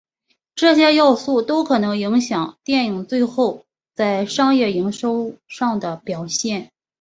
这些要素都可能影响电影最后在商业营收上的表现。